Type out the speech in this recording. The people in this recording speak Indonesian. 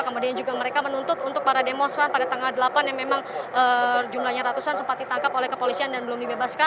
kemudian juga mereka menuntut untuk para demonstran pada tanggal delapan yang memang jumlahnya ratusan sempat ditangkap oleh kepolisian dan belum dibebaskan